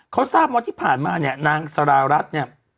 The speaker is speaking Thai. เขาทราบว่าที่ผ่านมาเนี่ยนางสารารัฐเนี่ย